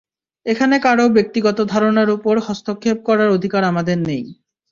এখানে কারও ব্যক্তিগত ধারণার উপর হস্তক্ষেপ করার অধিকার আমাদের নেই।